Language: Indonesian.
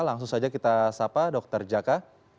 langsung saja kita sapa dr jaka